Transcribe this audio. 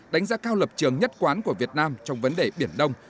đánh giá cao lập trường nhất quán của việt nam trong vấn đề biển đông